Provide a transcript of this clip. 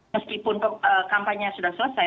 meskipun kampanye sudah selesai